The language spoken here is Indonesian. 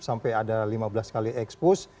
sampai ada lima belas kali ekspos